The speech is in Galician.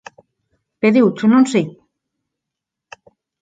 Pediucho, non si?